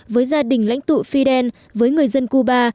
với gia đình lãnh tụ fidel với người dân cuba